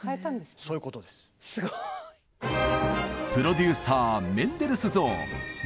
すごい！プロデューサーメンデルスゾーン